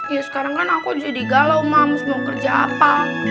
ya sekarang kan aku jadi galau mams mau kerja apa